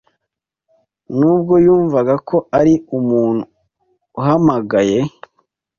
Nubwo yumvaga ko ari umuntu umuhamagaye